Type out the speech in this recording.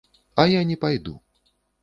А я не пайду.